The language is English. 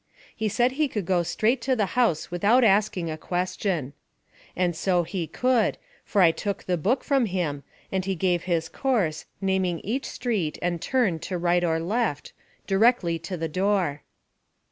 He said he could go straight to the house without asking a question. And so he could, for I took the book from him, and he gave his course, naming each street and turn to right or left, directly to the door.